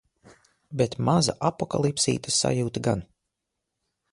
Bet maza apokalipsītes sajūta gan.